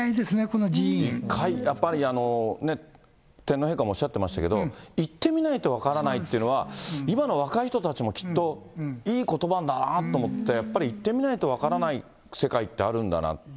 やっぱり、天皇陛下もおっしゃってましたけど、行ってみないと分からないっていうのは、今の若い人たちもきっと、いいことばだなと思って、やっぱり行ってみないと分からない世界ってあるんだなって。